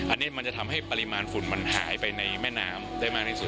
อันเนี้ยมันจะทำให้ปริมาณหายไปรถแม่น้ำได้มากที่สุด